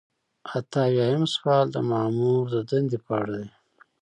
اته اویایم سوال د مامور د دندې په اړه دی.